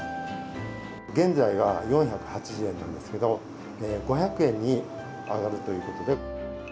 現在は４８０円なんですけど、５００円に上がるということで。